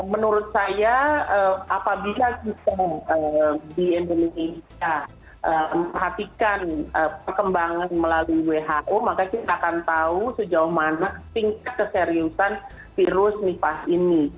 menurut saya apabila kita di indonesia memperhatikan perkembangan melalui who maka kita akan tahu sejauh mana tingkat keseriusan virus nipah ini